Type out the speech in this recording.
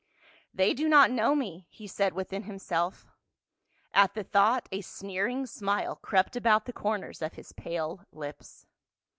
"They do not know me," he said within himself. At the thought a sneering smile crept about the cor ners of his pale lips.